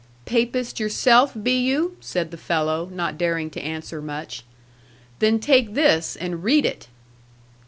'Papist yourself, be you?' said the fellow, not daring to answer much: 'then take this, and read it.'